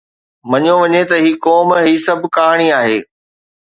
مڃيو وڃي ته هي قوم هي سڀ ڪهاڻي آهي